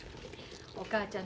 お母ちゃん